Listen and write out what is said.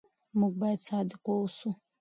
موږ باید صادق واوسو.